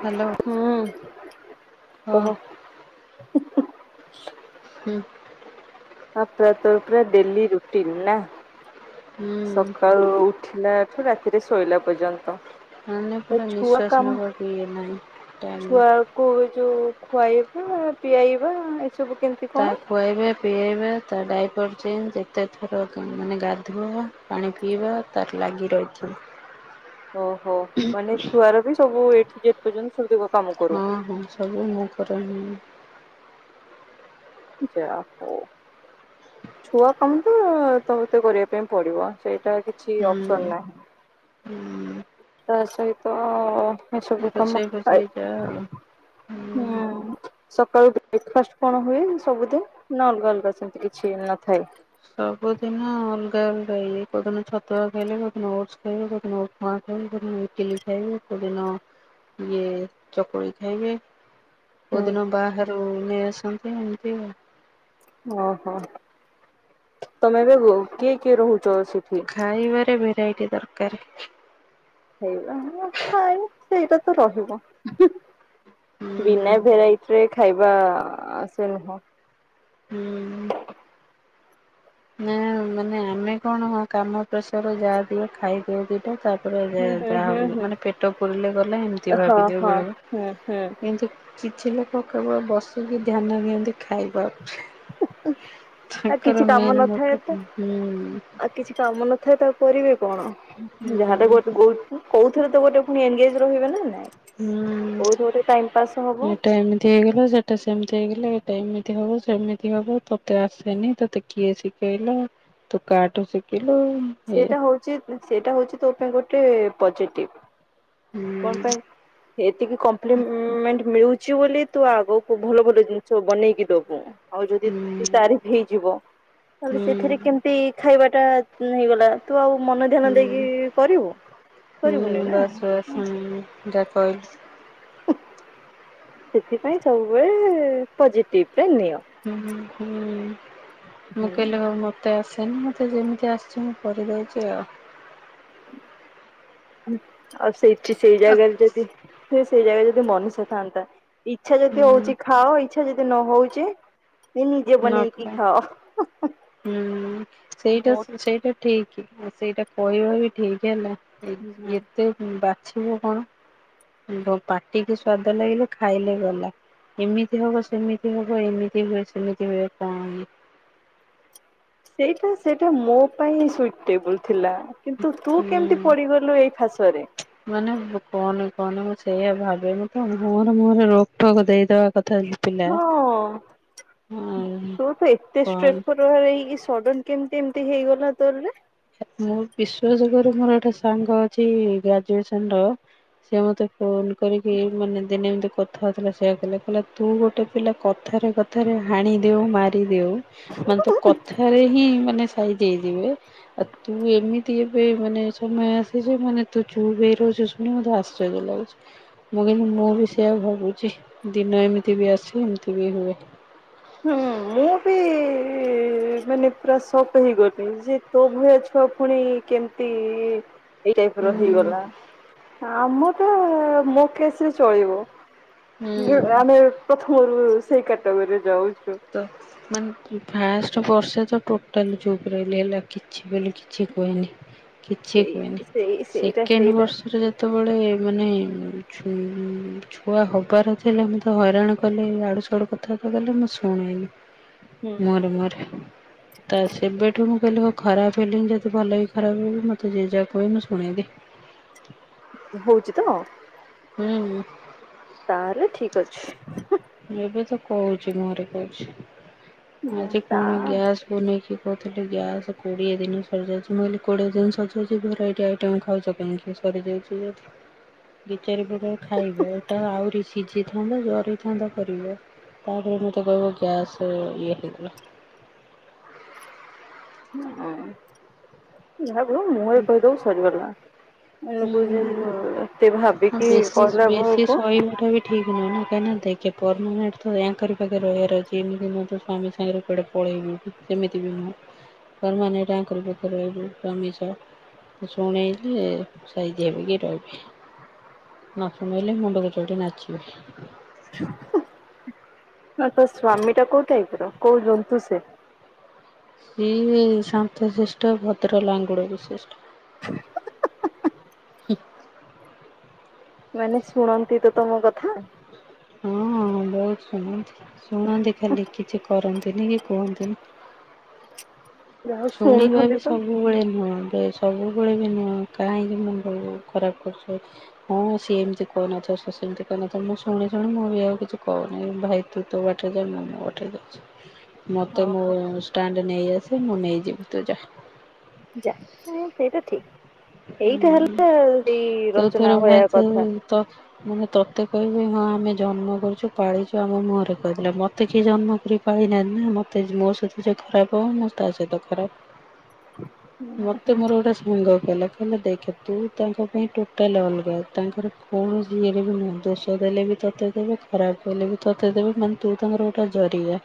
Hello କହ, ହଁ ହୁଁ ହୁଁ। ହୁଁ। ଆପ ତ ପରା ଡେଲି ରୁଟିନ୍ ନା [unintelligible] ହୁଁ ଉଁ। ସକାଳୁ ଉଠିଲାଠୁ ରାତିରେ ଶୋଇଲା ପର୍ଯ୍ୟନ୍ତ। ମାନେ ସେ ପୁରା ଛୁଆ ନିଶ୍ୱାସ କାମ ନେବାକୁ ଇଏ ନାହିଁ, ଟାଇମ। କୁ ଯୋଉ ଖୁଆଇବା ପିଆଇବା ଏସବୁ କେ ତା ଖୁଆଇବେ ପିଆଇବେ ତା ଡାଇପର। ଚେଞ୍ଜ ଯେତେ ଥର ମାନେ ଗାଧୁଆ ପାଣି ପିଇବା ତାର ଲାଗି ରହିଛି। ଓହୋ ମାନେ ଛୁଆର ବି ସବୁ ଏଠୁ ଯେଡ ପର୍ଯ୍ୟନ୍ତ ସବୁ ହଁ ହଁ ସବୁ ମୁଁ କରେ। ଯା ହଉ ଛୁଆ କାମ ତ ତ ମତେ କରିବା ପାଇଁ ପଡିବ, ସେଇଟା କିଛି ହୁଁ ଅପ୍ସନ୍ ନାହିଁ। [inaudible] ତା ସହିତ ସବୁ କାମ ରୋଷେଇ ଆଇ ଫୋଷେଇ ଯାହା ଆଉ ହୁଁ ସକାଳୁ ବ୍ରେକ୍ଫାଷ୍ଟ କଣ ହୁଏ, ସବୁଦିନ ନା ଅଲଗା-ଅଲଗା ସେମ୍ତି କିଛି ନଥାଏ? ସବୁଦିନ ଅଲଗା-ଅଲଗା ହେଇଯାଏ, କୋଉଦିନ ଛତୁଆ ଖାଇଲେ କୋଉଦିନ ଓଟ୍ସ ଖାଇଲେ କୋଉଦିନ [inaudible] ଇଟିଲି ଖାଏ, କୋଉ ଦିନ ଇଏ ଚକୁଳି ଖାଇବେ। ହୁଁ କୋଉଦିନ ବାହାରୁ ନେଇ ଆସନ୍ତି ଏମ୍ତି ଓହୋ, ତମେ ଏବେ କିଏ-କିଏ ରହୁଚ ସେଠି? ଖାଇବାରେ ଭେରାଇଟି ଦରକାର। [unintelligible] ଖାଇ ସେଇଟା ତ ରହିବ। ହୁଁ ବିନା ଭେରାଇଟିରେ ଖାଇବା ଆସେନି। ହୁଁ। ନା ମାନେ ଆମେ କଣ ହଁ କାମ ପ୍ରେସର ଯାହା ଦିଅ ଖାଇଦିଉ। ତାପରେ ହୁଁ ହୁଁ ଯାହା ହୁଁ ହୁଁ ମାନେ ପେଟ ପୁରିଲେ ଗଲେ ଏମ୍ତି ହଁ ଭାବିଦିଅଉ ହଁ [unintelligible] ହୁଁ ହୁଁ। କିନ୍ତୁ କିଛି ଲୋକ କେବଳ ବସିକି ଧ୍ୟାନ ଦିଅନ୍ତି ଖାଇବାକୁ। ଆଉ କିଛି ତାଙ୍କର କାମ ମେନ୍ [inaudible] ନଥାଏ ତ ଆଉ କିଛି କାମ ନଥାଏ ତାକୁ କରିବେ କଣ, ହୁଁ ଯାହାତ ଗୋଟ୍ ଗୋ କୋଉଥେରେ ତ ଗୋଟେ ପୁଣି ଏନ୍ଗେଜ୍ ରହିବେ ନାଇଁ। କୋଉଠି ଗୋଟେ ଟାଇମ ପାସ୍ ହୁଁ ହବ ଏଟା ଏମ୍ ତି ହେଇଗଲା ସେଟା ସେମ୍ତି ହେଇଗଲା, ଏଇଟା ଏମିତି ହବ ସେମିତି ହବ ତତେ ଆସେନି ତତେ କିଏ ଶିଖେଇଲା, ତୁ କାହାଠୁ ଶିଖିଲୁ? ଏଇଆ। ସେଇଟା ହଉଚି ସେଇଟା ହଉଚି ତୋ ପାଇଁ ଗୋଟେ ପଜିଟିଭ୍। ହୁଁ। କଣ ପାଇଁ ଏତିକି କମ୍ପ୍ଲିମେଣ୍ଟ ମିଳୁଚି ବୋଲି ତୁ ଆଗକୁ ଭଲ ଗୋଟେ ଜିନିଷ ବନେଇକି ଦବୁ। ଆଉ ଯଦି ହୁଁ ତାରିଫ ହେଇଯିବ ତାହେଲେ ସେଥିରେ ହୁଁ କେମ୍ତି ଖାଇବା ଟା ହେଇଗଲା? ତୁ ଆଉ ମନ ଧ୍ୟାନ ହୁଁ ଦେଇକି କରିବୁ କରିବୁନି ହୁଁ ନା। ବାସ୍ ବାସ୍ ହୁଁ [unintelligible] କହିଲୁ। ସେଥିପାଇଁ ସବୁବେଳେ ପଜେଟିଭରେ ନିଅ। ହଁ-ହୁଁ ହୁଁ ମୁଁକିଲ ହଉ [unintelligible] ମତେ ଆସେନି ମତେ ଯେମିତି ଆସିଛି ମୁଁ କରିଦେଉଛି ଆଉ। ଆଉ ସେଇଠି ସେଇ ଆ ଜାଗାରେ ଯଦି ସେଇ ଜାଗା ଯଦି ମନୁଷ୍ୟ ଥାନ୍ତା ଇଚ୍ଛା ଯଦି ହୁଁ ହଉଚି ଖାଅ ଇଚ୍ଛା ଯଦି ନ ହଉଚି ନିଜେ ବନେଇକି ନଖା ଖାଅ, [unintelligible] ମୋଟ ଠିକ୍ ଆଉ ସେଇଟା କହିବା ବି ଠିକ୍ ହେଲା ହୁଁ ଏତେ ବାଛିବୁ କଣ ପାଟିକି ସ୍ଵାଦ ଲାଗିଲେ ଖାଇଲେ ଗଲା। ଏମିତି ହବ ସେମିତି ହବ ଏମିତି ହୁଏ ସେମିତି ହୁଏ କଣ। ସେଇଟା-ସେଇଟା ମୋ ପାଇଁ ସୁଇଟେବୁଲ୍ ଥିଲା। କିନ୍ତୁ ତୁ ହୁଁ। କେମିତି ପଡିଗଲୁ ଏଇ ଫାସରେ? ମାନେ କହନି-କହନି ମୁଁ ସେଇଆ ଭାବେ ମୁଁ ତ ମୁହଁରେ-ମୁହଁରେ ରୋକ୍ ଠୋକ୍ ଦେଇଦବା କଥା ହଁ ତୁ ତ ଏତେ [unintelligible] [unintelligible] ସଡନ କେମିତି ଏମିତି ହେଇଗଲା ତୋରରେ? ମୁଁ [unintelligible] ମୋର ଗୋଟେ ସାଙ୍ଗ ଅଛି ଗ୍ରାଜୁଏସନ ର ସେିଏ ମୋତେ ଫୋନ କରିକି ମାନେ ଦିନେ ଏମିତି କଥା ହେଉଥିଲା ସେୟାଆ କହିଲା କହିଲା ତୁ ଗୋଟେ ପିଲା କଥାରେ କ [unintelligible] ହାଣିଦଉ ମାରିଦଉ ମାନେ ତ କଥାରେ ହିଁ ମାନେ [unintelligible] ଆଉ ତୁ ଏମିତି ଏବେ ମାନେ ସମୟ ଆସିଛି ମାନେ ତୁ ଚୁପ ରହୁଛ ଶୁଣି ମତେ ଆଶ୍ଚର୍ଯ୍ୟ ଲାଗୁଛି। ମୁଁ ମୁଁ ବି ସେୟଆ ଭାବୁଛି ଦିନ ଏମିତି ବି ଆସେ ଏମିତି ବି ହୁଏ। ହୁଁ ମୁଁ ବି [unintelligible] ମାନେ ପୁରା ଶକ୍ ହେଇଗଲନି ଯେ ତୋ ଭଳିଆ ଛୁଆ ପୁଣି କେମତି ହୁଁ ଆମ ତ ମୋ କେସରେ ଚଳିବ। [inaudible] ହୁଁ। ଆମେ ପ୍ରଥମରୁ ସେଇ କ୍ୟାଟାଗୋରୀରେ ଯାଉଛୁ। [unintelligible] ଟୋଟାଲ ଚୁପ ରହିଲ ହେଲା କିଛି ବୋଲି କ କିଛି କୁହେନି କିଛି ସେଇ କୁହେନି ସେଇ ସେଇଟା ସେକେଣ୍ଡ ସେଇଟା ବର୍ଷରେ ସେତେବେଳେ ମାନେ ଛୁ ଛୁଆ ହବାର ଥିଲେ ମତେ ହଇରାଣ କଲେ ଆଡୁ ସଡୁ କଥାବାର୍ତା କଲେ ମ ସ ହୁଁ [unintelligible] ମର ମର। ତା ସେବେଠୁ ମୁଁ କହିଲି ଖରାପ ହେିଲିନି ଯଦି ଭଲ ବି ଖରାପ ହେବି ମତେ ଯଏ ଯାହା କହେ ମୁଁ ଶୁଣେଇଦି। ହଉଛି ତ? ହୁଁ। ତାହେଲେ ଠିକ ଅଛି। ଏବେ ତ କହୁଛି ମୋହରେ କହୁଛି ମୁଁ ଆଜି ତା ପୁଣି ଗ୍ୟାସ୍ ମୁ ନେଇକି କହୁଥିଲି ଗ୍ୟାସ୍ କୋଡ଼ିଏ ଦିନ ସରିଯାଉଛି ମୁଁ କହିଲି କୋଡ଼ିଏ ଦିନ ସରିଯାଉଛି ଭେରାଇଟି ଆଇଟମ୍ ଖାଉଛ କାହିଁକି। [unintelligible] ଖାଇବା ଏଇଟା ଆହୁରି ସିଝିଥାନ୍ତ ଜରି ବନ୍ଦ କରିବ ତାପରେ ମୋତେ କହିବ ଗ୍ୟାସ୍ ହେଇ ଇଏ ହେଇଗଲା। [unintelligible] [inaudible] ହୁଁ ଏତେ ଭାବିକି ବେଶୀ ବେଶୀ ସହିବାଟା ବି ଠିକ୍ ନୁହେଁ ନା [unintelligible] କାହିଁକିନା ଦେଖେ [unintelligible] ୟାଙ୍କରି ପାଖେ ରହିବାର ଅଛି ଏମିତି ମୁଁ ତ ସ୍ଵମୀ ସାଙ୍ଗରେ କୁଆଡେ ପଳେଇବୁ [unintelligible] ଶୁଣେଇଲେ ସାଇଜି ହେବିକି ରହିବେ। ନ ଶୁଣେଇଲେ ମୁଣ୍ଡକୁ ଚଢି ନାଚିବେ। [inaudible] ହ ତ ସ୍ଵାମୀ ଟା କୋଉ ଟାଇପ ର କୋଉ ଜନ୍ତୁ ସେ? [unintelligible] ଏ ଶାନ୍ତଶ୍ରେଷ୍ଠ ଭଦ୍ର ଲାଙ୍ଗୁଳ ବିଶିଷ୍ଟ। ମାନେ ଶୁଣନ୍ତି ତ ତମ କଥା? ହଁ ବହୁତ ଶୁଣନ୍ତି ଶୁଣନ୍ତି ଖାଲି କିଛି କରନ୍ତିନି କି କୁହନ୍ତିନି। ଯାହା ହଉ ଶୁଣିବା ବି ଶୁଣୁଛନ୍ତି ତ। ସବୁବେଳେ ନୁହଁ ବ ସ ସବୁବେଳେ ବି ନୁହଁ କାହିଁକି ମୁଣ୍ଡ ବ ଖରାପ କରୁଛୁ। ହଁ ସିଏ ଏମିତି କହୁନଥବ ସେମିତି କହିନଥିବ ମୁଁ ଶୁଣି ଶୁଣି ମଁ ବି ଆଉ କିଛି କହୁନି ଭାଇ ଟୁ ତୋ ବଟରେଜା ମୁ ମୋବାତ୍ରେ ଯାଉଛି। ମୋତେ ମୋ ଓହୋ ଷ୍ଟାଣ୍ଡ ନେଇ ଆସେ ମୁଁ ନେଇଯିବି ତୁ ଯା। ଯା ସେଇଟା ଠିକ ଏଇଟା ହୁଁ। ହେଲା ଏଇ ତୁ ତୋର ରଚନା ଭାଇ [unintelligible] ତୁ କଥା। [unintelligible] ମାନେ ତୋତେ କହିବି ହଁ ଆମେ ଜନ୍ମ କରିୁଛୁ ପାଳିଛୁ ଆମ ମୁହଁରେ କହିଥିଲା ମୋତେ କିଏ ଜନ୍ମ କରି [unintelligible] ମୋ ସହିତ ଖରାପ ହବ ତା ସହିତ ଖରାପ ମତେ ମୋର ଗୋଟେ [unintelligible] ଦେଖେ ତୁ ତାଙ୍କ ପାଇଁ ଟୋଟାଲ ଅଲଗା ତାଙ୍କର କୌଣସି ଇଏରେ ବି ନୁହେଁ। ଦୋଷ ଦେଲେ ବି ତୋତେ କହିବେ ଖରାପ ଦେଲେ ବି ତୋତେ କହିବେ ମାନେ ତୁ ତାଙ୍କର ଗୋଟା ଜରିଆ।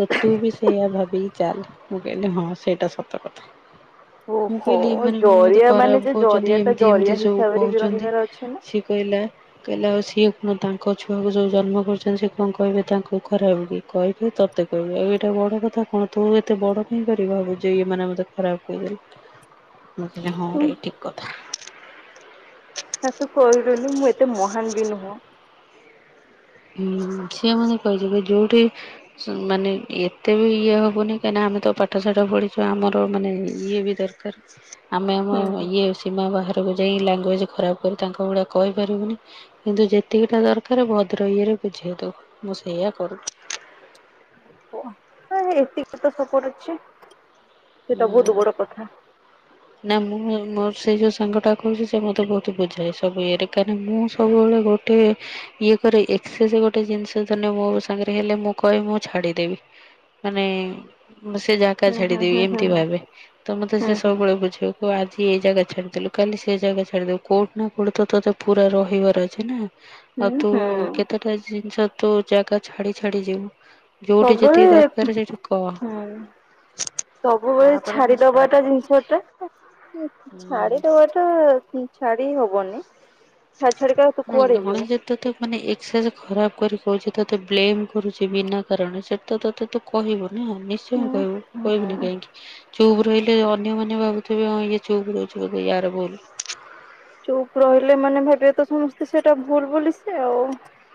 ତୁ ତୁ ବି ସେଇଆ ଭାବିକି ଚାଲ ମୁଁ କହିଲି ହଁ ସେଇଟା ସତ କଥା। ମୁଁ ଓହୋ କହିଲି ଏମାନେ କଣ ମତେ ଜରିଆ ମାନେ ଖରାପ ଯେ କହୁଛନ୍ତି ଜରିଆ ଟା ଏମିତି ଜରିଆ ଏମିତି ସବୁ ହିସାବରେ ବି କହୁଛନ୍ତି ରହିବାର ଅଛି ନା। ସେ କହିଲା କହିଲା ଆଉ ସିଏ କଣ ତାଙ୍କ ଛୁଆକୁ ଯୋଉ ଜନ୍ମ କରୁଛନ୍ତି ସେ କଣ କହିବେ ତାଙ୍କୁ ଖରାପ କି? କହିବେ ତତେ କହିବେ ଆଉ ଏଇଟା ବଡ କଥା କଣ ତୁ ଏ ଏତେ ବଡ଼ କାଇଁ କରିବା ଭାବୁଚୁ ଇଏ ମାନେ ମୋତେ ଖରାପ କହିବେ ମୁଁ କହିଲି ହଁ ହୁଁ ରେ ଠିକ୍ କଥା। ଶାଶୁ କହିଦେଲି ମୁଁ ଏତେ ମହାନ ବି ନୁହଁ। ହୁଁ ସିଏମତେ କହିଦେବେ ଯୋଉଠି ମାନେ ଏତେ ବି ଇଏ ହବନି କାହିଁନା ଆମେ ତ ପାଠଶାଠ ପଢିଛୁ ଆମର ମାନେ ଇଏ ବି ଦରକାର। ଆମେ ଆମ ହୁଁ ହୁଁ। ଇଏ ସୀମା ବାହାରକୁ ଯାଇ ଲାଙ୍ଗୁଏଜ୍ ଖରାପ କରି ତାଙ୍କ ଭଳିଆ କହିପାରିବୁନି। କିନ୍ତୁ ଯେତିକିଟା ଦରକାର ଭଦ୍ର ଇଏରେ ବୁଝେଇ ଦବୁ ମୁଁ ସେଇଆ କରୁଛିି। ଏତିକ ତ ସପୋର୍ଟ ଅଛି। ସେଇଟା ହୁଁ। ବହୁତ ବଡ କଥା। ନା ମୁଁ ମୋର ସେ ଯେଉଁ ସାଙ୍ଗଟା କହୁଛି ସେ ମୋତେ ବହୁତ ବୁଝାଏ ସବୁ ଇଏରେ କାହିଁନା ମୁଁ ସବୁବେଳେ ଗୋ ଟେ ଇଏ କରେ ଏକ୍ସେସ ଗୋଟେ ଜିନିଷ ଧରିନିଏ ମୋ ସାଙ୍ଗରେ ହେଲେ ମୁଁ କହେ ମୁଁ ଛାଡିଦେବି। ମାନେ ମୁଁ ସେ ଜାଗା ହୁଁ ହୁଁ ଛାଡିଦେବି ହୁଁ ହୁଁ ଏମିତି ହୁଁ ଭାବେ ତ ମତେ ହୁଁ ସେ ହୁଁ ସବୁବେଳେ ବୁଝେଇବ। କହିବ ଆଜି ଏଇ ଜାଗା ଛାଡିଦେଲୁ କାଲି ସେ ଜାଗା ଛାଡିଦବୁ କୋଉଠି ନା କୋଉଠି ତୋତେ ପୁରା ରହିବାର ଅଛି ନା। ଆଉ ହୁଁ ତୁ ହୁଁ। କେତେଟା ଜିନିଷ ତୋ ଜାଗା ଛାଡି ଛାଡି ଯିବୁ। ଯୋଉଠି ସବୁବେଳେ ଯେତିକି ଦରକାର ସେଠି କ ହୁଁ। ସବୁବେଳେ ମୁଁ ଛାଡି ଷ୍ଟାର୍ଟ ଦବାଟା ଜିନିଷ କରିଦେଇଛି। ଟା। ହୁଁ। ଛାଡିଦବାଟା ଛାଡି ହବନି। ଛାଡି ଛାଡିକା ତୁ କୁଆଡେ ଯିବୁ? ତତେ ମାନେ ଏକ୍ସସ ଖରାପ କରି କହୁଛି ତୋତେ ବ୍ଲେମ କରୁଛି ବିନା କାରଣ ସେଠିତ ତତେତ କହିବୁ ନା ନିଶ୍ଚୟ ହୁଁ କହିବୁ କହିବୁନି ହୁଁ। କାହିଁକି? ଚୁପ୍ ରହିଲେ ଅନ୍ୟମାନେ ଭାବୁଥିବେ ହଁ ଇଏ ଚୁପ ରହୁଛି ବୋଧେ ଏହାର ଭୁଲ। ଚୁପ ରହିଲେ ମାନେ ଭାବିବେ ତ ସମସ୍ତେ ସେଟା ଭୁଲ ବୋଲି ସେ ଆଉ।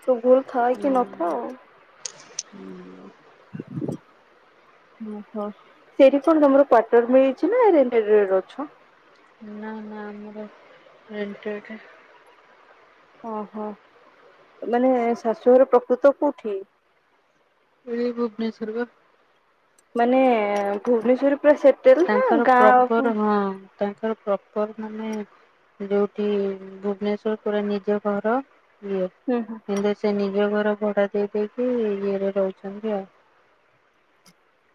ତୁ ଭୁଲ ଥା ଉଁହୁଁ ହୁଁ [unintelligible] ଓହୋ ସେଇଠି କଣ ତମର କ୍ଵାଟର ମିଳିଛି ନା ରେଣ୍ଟ ରେ ଅଛ? ନା ନା ଆମର ରେଣ୍ଟଡ। ଓହୋ ମାନେ ଶାଶୁଘର ପ୍ରକୃତ କୁଠି? ଏଇ ଭୁବନେଶ୍ୱର ବା। ମାନେ ଭୁବନେଶ୍ୱର ପୁରା ସେ ତାଙ୍କର ପ୍ରପର ହଁ ତାଙ୍କର ପ୍ରପର ମାନେ ଯୋଉଠି ଭୁବନେଶ୍ଵର ପୁରା ନିଜ ଘର ଇଏ। ହୁଁ। କିନ୍ତୁ ସେ ନିଜ ଘର ଭଡା ଦେଇ ଦେଇେକି ଇଏରେ ରହୁଛନ୍ତି ଆଉ।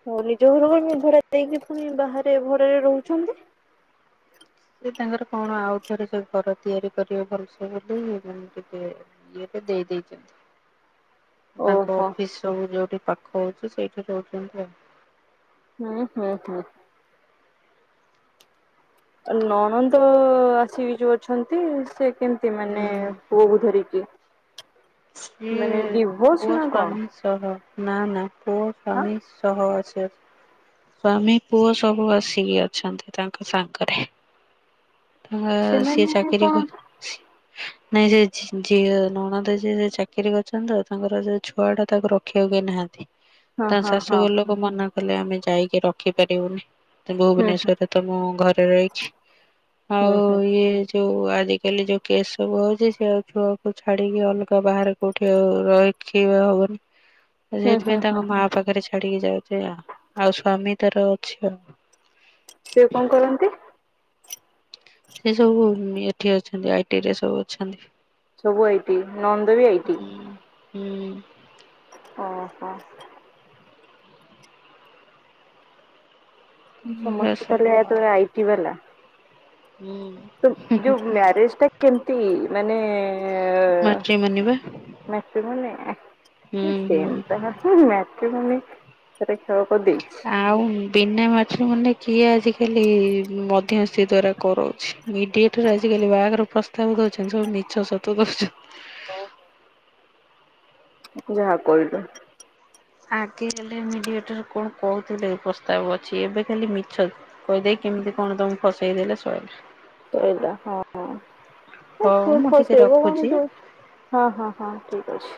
ହଉ ନିଜ ଘର ଭଡ଼ା ଦେଇକି ପୁଣି ବାହାରେ ଭଡାରେ ରହୁଛନ୍ତି। ସେ ତାଙ୍କର କଣ ଆଉ ଥରେ ସେ ଘର ତିଆରି କରିବେ ଭଲସେ ବୋଲି ମାନେ ଟିକେ ଏବେ ଦେଇ ଦେଇଚନ୍ତି। ତାଙ୍କ ଓହୋ ଅଫିସ ସବୁ ଯୋଉଠି ପାଖ ହଉଛି ସେଇଠି ରହୁଛନ୍ତି ଆଉ। ହୁଁ ହୁଁ ହୁଁ। ନଣନ୍ଦ ଆସିକି ଯୋଉ ଅଛନ୍ତି ସେ କେମତି ମାନେ ହୁଁ ପୁଅକୁ ଧରିକି ସିଏ ମାନେ ପୁଅ ଡିଭୋର୍ସ ନା କଣ? ସ୍ୱାମୀ ସହ ନା ନା ପୁଅ ହଁ ସ୍ୱାମୀ ସହ ଆସି ଅଛନ୍ତି ସ୍ଵାମୀ ପୁଅ ସବୁ ଆସିକି ଅଛନ୍ତି ତାଙ୍କ ସାଙ୍ଗରେ ତାଙ୍କ ସେ ସେମାନେ ଚାକିରି କଣ? କରିଛନ୍ତି, ନାଇଁ ସେ ଝିଅ ନଣନ୍ଦ ଯିଏ। ସେ ଯେ ଚାକିରୀ କରିଛନ୍ତି ତ ତାଙ୍କର ସେ ଛୁଆ ଟା ତାକୁ ରଖିବାକୁ କେ ନାହାନ୍ତି ହଁ ତାଙ୍କ ହଁ ଶାଶୁ ହଁ ଘର ଲୋକ ସବୁ ମନା କଲେ ଆମେ ଯାଇକି ରଖିପାରିବୁନି ହୁଁ ହୁଁ ଭୁବନେଶ୍ଵରରେ ତ ମୁଁ ଘରେ ରହିଛି ହୁଁ ଆଉ ହୁଁ। ଇଏ ଯୋଉ ଆଜିକାଲି ଯୋଉ କେସ୍ ସବୁ ହଉଛି ସେ ଆଉ ଛୁଆକୁ ଛାଡିକି ଅଲଗା ବାହାରେ କୋଉଠି ରହିବି ହବନି ହୁଁ ହୁଁ ସେଇଥିପାଇଁ ହୁଁ ତାଙ୍କ ମା ହୁଁ ପାଖରେ ଛାଡିକି ଯାଉଛି ଆ ଆଉ ସ୍ଵାମୀ ତାର ଅଛି ଆଉ। ସିଏ କଣ କରନ୍ତି? ସେ ସବୁ ଏଠି ଅଛନ୍ତି ଆଇଟି ରେ ସବୁ ଅଛନ୍ତି। ସବୁ ଆଇଟି ନଣନ୍ଦ ବି ଆଇଟି। ହୁଁ ହୁଁ। ଓ ହୋ। ଏଇଆ ସମସ୍ତେ ସବୁ ତାହଲେ ଆଉ। ତୋର ଆଇଟି ବାଲା। ହୁଁ। ତ ଯୋଉ ମ୍ୟାରେଜ ଟା କେମ୍ତି ‌ହେଇ ମାନେ ମାଟ୍ରିମୋନି। ମାଟ୍ରିମୋନି ମାନେ ହୁଁ ଉଁ ହୁଁ। ସେମ୍ ତ କଥା ମାଟ୍ରିମୋନି ସେଟା କ୍ଷେୟ କରିଦେଇଛି। ଆଉ ବିନା ମଟ୍ରିମୋନି କିଏ ଆଜିକାଲି ଇ ମଧ୍ୟସ୍ଥି ଦ୍ଵାରା କରାଉଛି। ମିଡିଏଟର୍ ଆଜିକାଲି ବାହାଘର ପ୍ରସ୍ତାବ ଦଉଛନ୍ତି ସବୁ ମିଛ ସତ ଦଉଛ ଅ। ଯାହା କହିଲୁ। ଆଗେ [unintelligible] ଜୁଲାଇ ମିଡିଆଟର କଣ୍ କହୁଥିଲେ ପ୍ରସ୍ତାବ ଅଛି ଏବେ ଖାଲି ମିଛ। କଇଦେଇ କେମିତି କଣ ତମକୁ ଫସେଇଦେଲେ ଶଈଲା। ସଇଟା ହଁ ହଁ ନା ହଉ ପ ମୁଁ ଟିକେ ଫସେଇବ ରଖୁଛି। କଣ ଯଉ। ହଁ ହଁ ହଁ ଠିକ୍ ଅଛି।